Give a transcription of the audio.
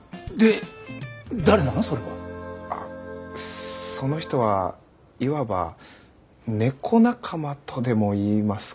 あその人はいわば猫仲間とでも言いますか。